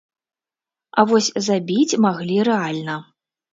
А вось забіць маглі рэальна.